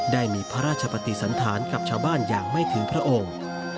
ได้มีพระราชปฏิสันธารกับชาวบ้านอย่างไม่ถึงพระองค์